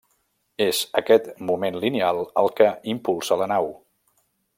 És aquest moment lineal el que impulsa la nau.